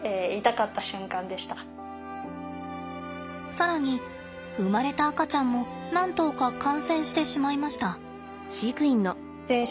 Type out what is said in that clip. さらに生まれた赤ちゃんも何頭か感染してしまいました。